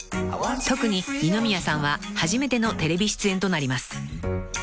［特に二ノ宮さんは初めてのテレビ出演となります］